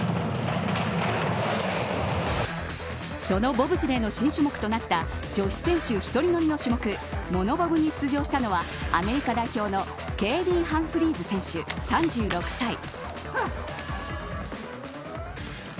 そのボブスレーの新種目となった女子選手１人乗りの種目モノボブに出場したのは、アメリカ代表のケーリー・ハンフリーズ選手３６歳。